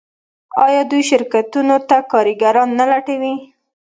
آیا دوی شرکتونو ته کارګران نه لټوي؟